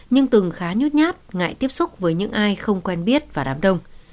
nhưng từng khá nhút nhát ngại tiếp xúc với những ai không quen biết và đám đông